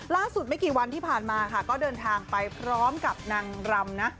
ล่าสุดไม่กี่วันที่ผ่านมาก็เดินทางไปพร้อมกับนางรำ